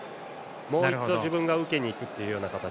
もう一度自分が受けに行く形。